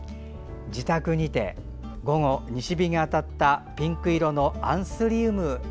自宅にて午後、西日が当たったピンク色のアンスリウム。